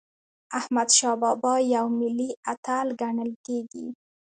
احمدشاه بابا یو ملي اتل ګڼل کېږي.